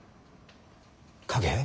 影？